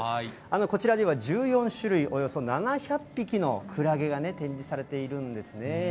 こちらには１４種類およそ７００匹のクラゲが展示されているんですね。